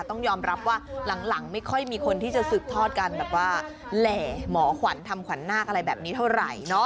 ต้องยอมรับว่าหลังไม่ค่อยมีคนที่จะสืบทอดกันแบบว่าแหล่หมอขวัญทำขวัญนาคอะไรแบบนี้เท่าไหร่